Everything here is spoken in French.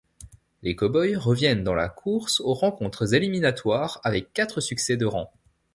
Les Cowboys reviennent dans la course aux rencontres éliminatoires avec quatre succès de rang.